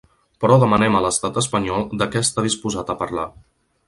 Però demanem a l’estat espanyol de què està disposat a parlar.